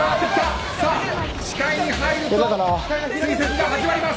視界に入ると追跡が始まります。